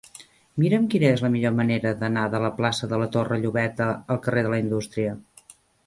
Mira'm quina és la millor manera d'anar de la plaça de la Torre Llobeta al carrer de la Indústria.